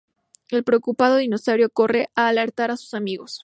El preocupado dinosaurio corre a alertar a sus amigos.